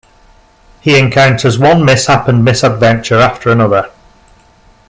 He encounters one mishap and misadventure after another.